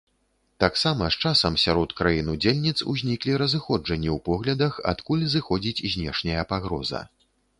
Таксама, з часам, сярод краін удзельніц узніклі разыходжанні ў поглядах, адкуль зыходзіць знешняя пагроза.